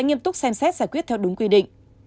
nghiêm túc xem xét giải quyết theo đúng quy định